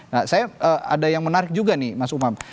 nah saya ada yang menarik juga nih mas umam